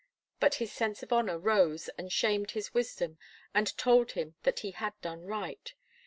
But his sense of honour rose and shamed his wisdom, and told him that he had done right.